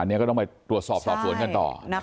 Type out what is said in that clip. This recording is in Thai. อันนี้ก็ต้องไปตรวจสอบสอบสวนกันต่อ